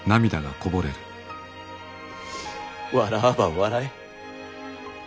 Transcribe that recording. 笑わば笑え。